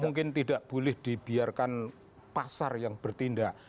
mungkin tidak boleh dibiarkan pasar yang bertindak